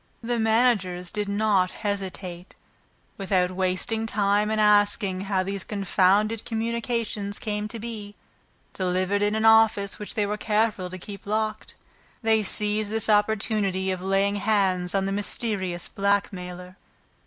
The managers did not hesitate; without wasting time in asking how these confounded communications came to be delivered in an office which they were careful to keep locked, they seized this opportunity of laying hands, on the mysterious blackmailer.